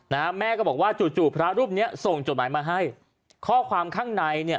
แม่ก็บอกว่าจู่จู่พระรูปเนี้ยส่งจดหมายมาให้ข้อความข้างในเนี่ย